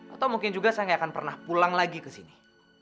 atau mungkin juga saya nggak akan pernah pulang lagi ke sini